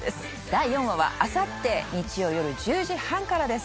第４話はあさって日曜夜１０時半からです。